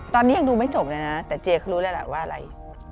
ตอนนี้ยังดูไม่จบเลยนะแต่เจียเขารู้แล้วล่ะว่าอะไร